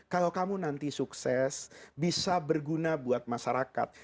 kalau kamu nanti sukses bisa berguna buat masyarakat